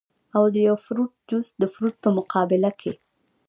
او د يو فروټ جوس د فروټ پۀ مقابله کښې